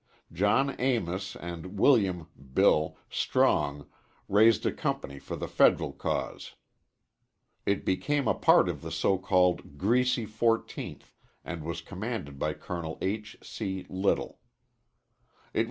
John Amis and William (Bill) Strong raised a company for the Federal cause. It became a part of the so called "Greasy Fourteenth," and was commanded by Col. H. C. Little.